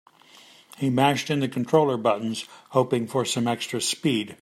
He mashed in the controller buttons, hoping for some extra speed.